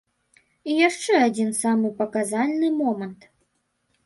І яшчэ адзін, самы паказальны момант.